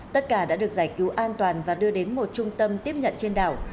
tất cả đã được giải cứu an toàn và đưa đến một trung tâm tiếp nhận trên đảo